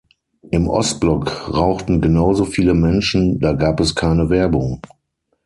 Im Ostblock rauchten genausoviele Menschen, da gab es keine Werbung.